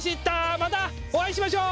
またお会いしましょう！